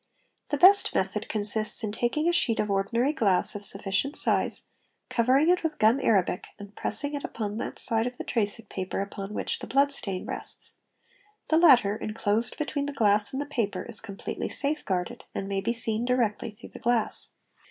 The best method consists in taking a sheet of ordinary glass of sufficient size, covering it with gum arabic and pressing it upon that side of the tracing paper upon which the blood stain rests, the latter, enclosed between the glass and the paper, is completely safe guarded and may be seen directly through the glass.